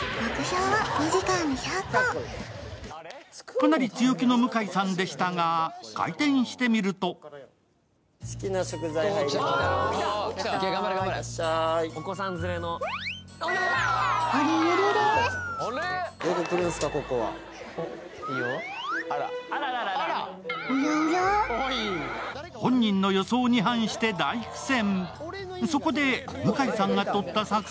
かなり強気の向井さんでしたが開店してみると本人の予想に反して大苦戦。